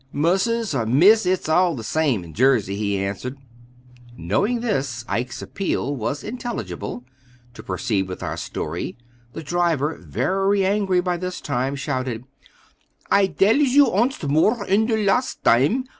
"Mussus or Miss, it's all the same in Jersey," he answered. Knowing this, Ike's appeal was intelligible. To proceed with our story, the driver, very angry by this time, shouted, "I dells you oonst more for der last dime.